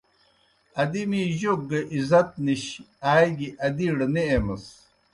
ادی می جوک گہ عزت نِش آئے گیْ ادِیڑ نہ ایمَس۔